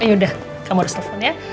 yaudah kamu harus telfon ya